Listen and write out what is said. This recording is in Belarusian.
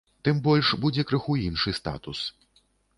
Тым больш, будзе крыху іншы статус.